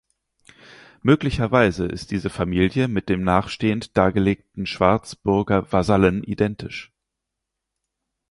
Möglicherweise ist diese Familie mit den nachstehend dargelegten Schwarzburger Vasallen identisch.